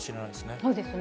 そうですね。